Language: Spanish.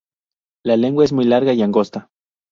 La lengua es muy larga y angosta.